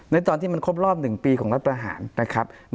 ในตอนที่มันครบรอบ๑ปีของรัฐประหารนะครับ